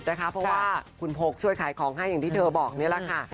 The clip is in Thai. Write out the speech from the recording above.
เพราะว่าคุณพกช่วยขายของให้อย่างที่เธอบอกนี่แหละค่ะ